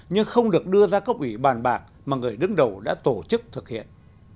nhưng không được đưa ra cấp ủy bàn bạc mà người đứng đầu đã tổ chức thực hiện